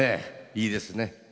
いいですね。